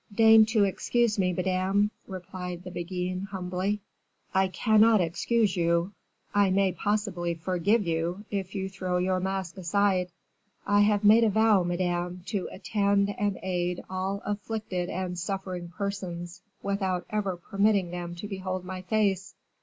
"Deign to excuse me, madame," replied the Beguine, humbly. "I cannot excuse you. I may, possibly, forgive you, if you throw your mask aside." "I have made a vow, madame, to attend and aid all afflicted and suffering persons, without ever permitting them to behold my face.